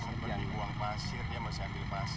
seperti buang pasir dia masih ambil pasir masih buang pasir